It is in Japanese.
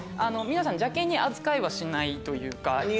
皆さん邪険に扱いはしないというか。